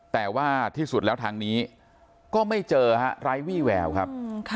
แต่ว่าที่สุดแล้วทางนี้ก็ไม่เจอฮะไร้วี่แววครับ